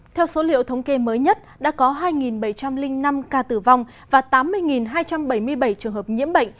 theo số liệu thống kê mới nhất đã có hai bảy trăm linh năm ca tử vong và tám mươi hai trăm bảy mươi bảy trường hợp nhiễm bệnh